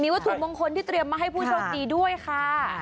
วัตถุมงคลที่เตรียมมาให้ผู้โชคดีด้วยค่ะ